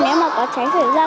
nếu mà có cháy xảy ra